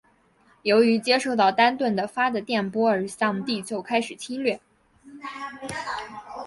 由于接受到丹顿的发的电波而向地球开始侵略。